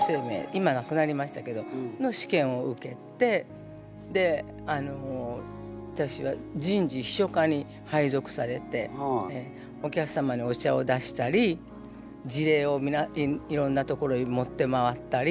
今なくなりましたけどの試験を受けてであの私は人事秘書課に配属されてお客様にお茶を出したり辞令をいろんな所へ持って回ったり。